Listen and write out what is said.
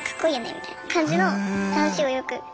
みたいな感じの話をよくしてて。